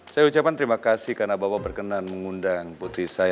saya ucapkan terima kasih karena bapak berkenan mengundang putri saya